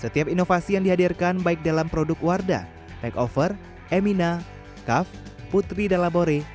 setiap inovasi yang dihadirkan baik dalam produk wardah makeover emina kav putri dan labore